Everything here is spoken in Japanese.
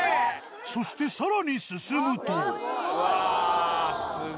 そしてさらに進むとうわぁ！